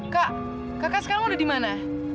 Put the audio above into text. kak kakak sekarang udah dimana